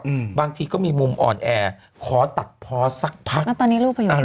อืมบางทีก็มีมุมอ่อนแอขอตัดพอสักพักแล้วตอนนี้ลูกไปอยู่